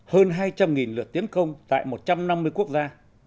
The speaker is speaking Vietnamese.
hơn hai trăm linh lượt tiến công tại một trăm năm mươi quốc gia